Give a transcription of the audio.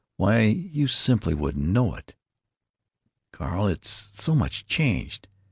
Why, you simply wouldn't know it, Carl, it's so much changed.